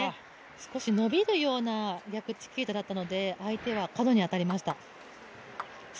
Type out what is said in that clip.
少し伸びるような逆チキータだったので相手は角に当たりました。